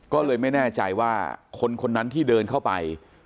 ก็เลยไม่แน่ใจว่าคนคนนั้นที่เดินเข้าไป